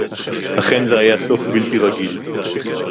אָכֵן, זֶה הָיָה סוֹף בִּלְתִּי רָגִיל.